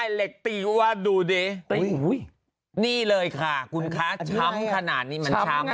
เหล็กตีว่าดูดินี่เลยค่ะคุณคะช้ำขนาดนี้มันช้ำ